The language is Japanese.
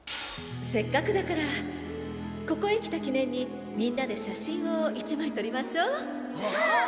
せっかくだからここへ来た記念にみんなで写真を１枚撮りましょあ！